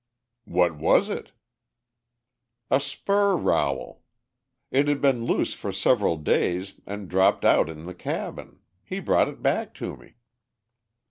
"What was it?" "A spur rowel. It had been loose for several days, and dropped out in the cabin. He brought it back to me."